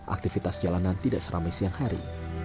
aktivitas jalanan tidak seramai siang hari